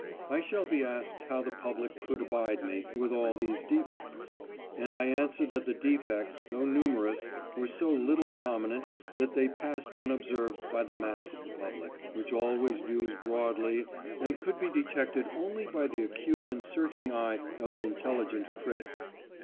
I shall be asked how the public could abide me, with all these defects; and I answer that the defects, though numerous, were so little prominent that they passed unobserved by the mass of the public, which always views broadly and could be detected only by the acute and searching eye of the intelligent critic.